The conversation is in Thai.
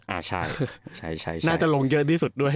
น่าจะลงเยอะที่สุดด้วย